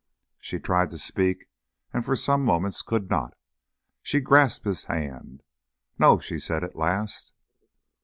She tried to speak, and for some moments could not. She grasped his hand. "No," she said at last.